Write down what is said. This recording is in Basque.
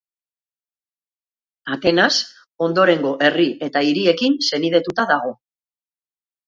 Atenas ondorengo herri eta hiriekin senidetuta dago.